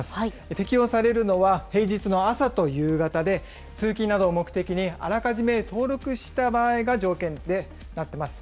適用されるのは、平日の朝と夕方で、通勤などを目的に、あらかじめ登録した場合が条件となっています。